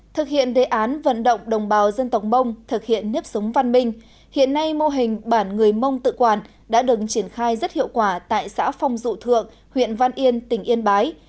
thực hiện đề án vận động đồng bào dân tộc mông thực hiện nếp sống văn minh hiện nay mô hình bản người mông tự quản đã được triển khai rất hiệu quả tại xã phong dụ thượng huyện văn yên tỉnh yên bái